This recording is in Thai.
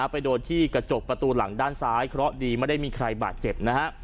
ไปโดนที่กระจกประตูหลังด้านซ้ายเคราะห์ดีไม่ได้มีใครบาดเจ็บนะฮะ